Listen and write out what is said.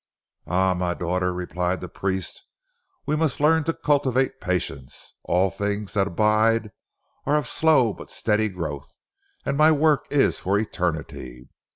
"Ah, my daughter," replied the priest, "we must learn to cultivate patience. All things that abide are of slow but steady growth, and my work is for eternity.